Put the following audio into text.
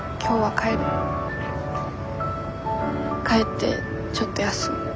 帰ってちょっと休む。